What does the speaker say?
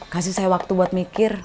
kasih saya waktu buat mikir